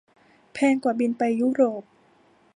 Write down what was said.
แพงกว่าบิน ไปยุโรป